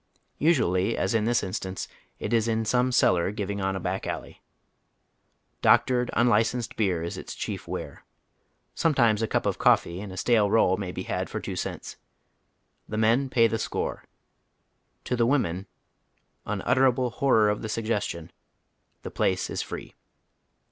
Usually, as in this instance, it is in some cellar giving on a back alley. Doctored, un licensed beer is its chief ware. Sometimes a cup of "cof ;, Google =,Google 76 HOW THE OTHER HALF LIVE9. fee " and a stale roll may be bad for two cents. The men pay tbe score. To tlie women — unutterable horror of the suggestion— the place is free.